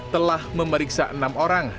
telah memeriksa enam orang